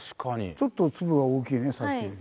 ちょっと粒が大きいねさっきより。